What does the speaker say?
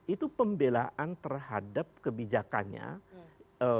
itu pembelaan terhadap kebijakannya food estate